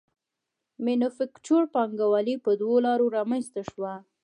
مینوفکچور پانګوالي په دوو لارو رامنځته شوه